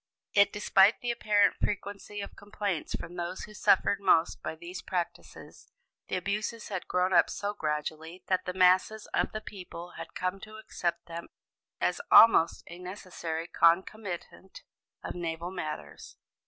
Yet, despite the apparent frequency of complaints from those who suffered most by these practices, the abuses had grown up so gradually that the masses of the people had come to accept them as almost a necessary concomitant of naval matters.